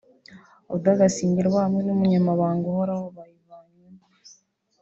Oda Gasinzigwa hamwe n’Umunyamabanga Uhoraho bayivanywemo